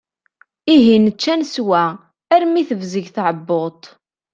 Ihi nečča neswa, armi tebzeg tɛebbuḍt.